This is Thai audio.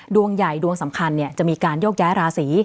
ดวงใหญ่ดวงสำคัญจะมีการโยกย้ายราศี